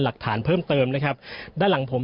หลักฐานเพิ่มเติมนะครับด้านหลังผม